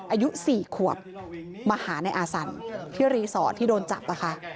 อายุ๔ขวบมาหาในอาสันที่รีสอร์ทที่โดนจับนะคะ